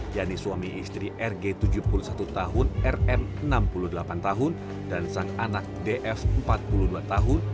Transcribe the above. yaitu suami istri rg tujuh puluh satu tahun rm enam puluh delapan tahun dan sang anak df empat puluh dua tahun